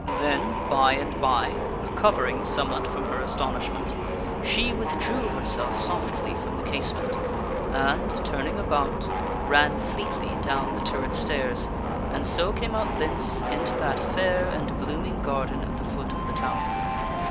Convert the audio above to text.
Then, by and by, recovering somewhat from her astonishment, she with drew herself softly from the casement, and, turning about, ran fleetly down the turret stairs, and so came out thence into that fair and blooming gar den at the foot of the tower.